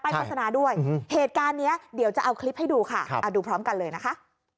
โฆษณาด้วยเหตุการณ์นี้เดี๋ยวจะเอาคลิปให้ดูค่ะดูพร้อมกันเลยนะคะ